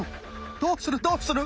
どうするどうする？